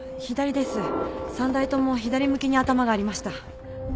３台とも左向きに頭がありました。